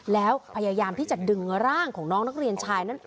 แล้วพยายามที่จะดึงร่างของน้องนักเรียนชายนั้น